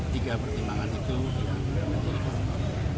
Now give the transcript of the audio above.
tiga pertimbangan itu yang menjadi korban